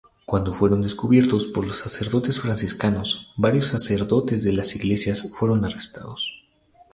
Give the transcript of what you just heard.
Cuando fue descubierto por los sacerdotes franciscanos, varios sacerdotes de las iglesias fueron arrestados.